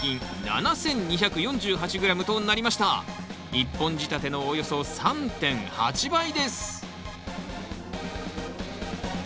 １本仕立てのおよそ３．８倍です！